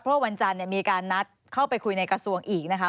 เพราะวันจันทร์มีการนัดเข้าไปคุยในกระทรวงอีกนะคะ